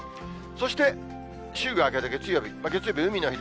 そして、週が明けて月曜日。